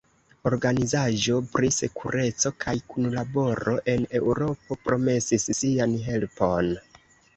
Organizaĵo pri Sekureco kaj Kunlaboro en Eŭropo promesis sian helpon.